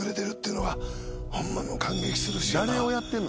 誰をやってんの？